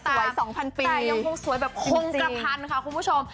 ๒๐๐ปีแต่ยังคงสวยแบบคงกระพันค่ะคุณผู้ชม